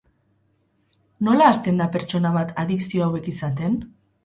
Nola hasten da pertsona bat adikzio hauek izaten?